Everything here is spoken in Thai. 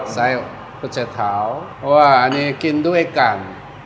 ใส่โหช่าเท้าอันนี้กินด้วยกัน